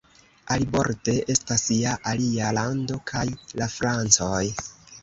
Aliborde estas ja alia lando kaj la Francoj!